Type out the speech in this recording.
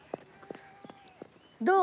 どう？